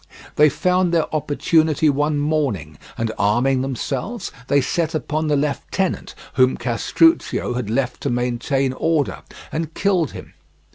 They found their opportunity one morning, and arming themselves, they set upon the lieutenant whom Castruccio had left to maintain order and killed him.